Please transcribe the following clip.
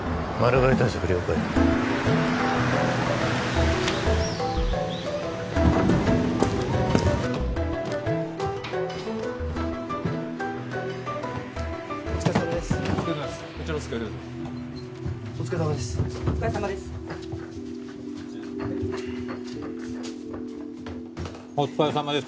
はいお疲れさまです